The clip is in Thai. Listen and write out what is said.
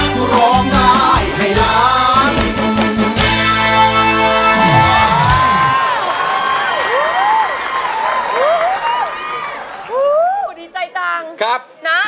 คุณร้องได้ให้ล้าน